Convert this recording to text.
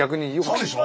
そうでしょ？